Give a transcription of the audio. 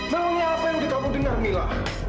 makanya apa yang kamu dengar mila